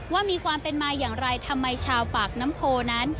ว่ามีความเป็นมาอย่างไรทำไมชาวปากน้ำโพนั้น